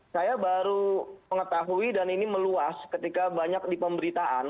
saya baru mengetahui dan ini meluas ketika banyak di pemberitaan